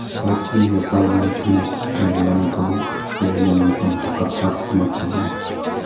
最近、野菜も肉も、何かも高くて困っちゃうよね。